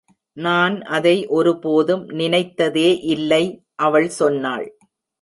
நான் அதை ஒருபோதும் நினைத்ததே இல்லை!' அவள் சொன்னாள்.